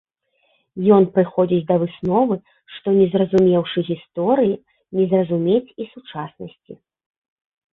Ён прыходзіць да высновы, што не зразумеўшы гісторыі, не зразумець і сучаснасці.